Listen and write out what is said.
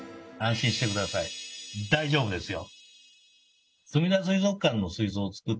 大丈夫ですよ。